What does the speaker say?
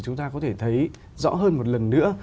chúng ta có thể thấy rõ hơn một lần nữa